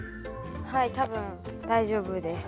はい多分大丈夫です。